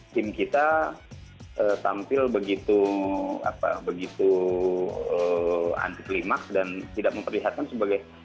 tim kita tampil begitu anti klimaks dan tidak memperlihatkan sebagai